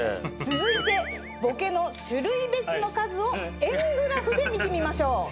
続いてボケの種類別の数を円グラフで見てみましょう。